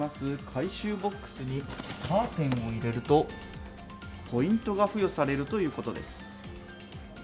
回収ボックスに、カーテンを入れると、ポイントが付与されるということです。